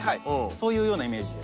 そういうようなイメージで。